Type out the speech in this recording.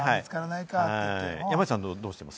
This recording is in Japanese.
山ちゃんはどうしてます？